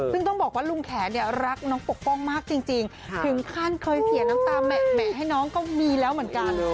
ซึ่งต้องบอกว่าลุงแขนเนี่ยรักน้องปกป้องมากจริงถึงขั้นเคยเสียน้ำตาแหมะให้น้องก็มีแล้วเหมือนกัน